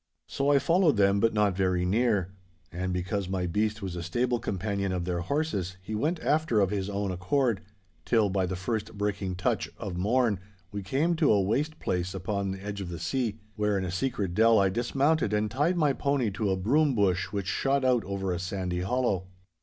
'So I followed them, but not very near. And because my beast was a stable companion of their horses, he went after of his own accord—till, by the first breaking touch or morn we came to a waste place upon the edge of the sea, where in a secret dell I dismounted and tied my pony to a broom bush which shot out over a sandy hollow.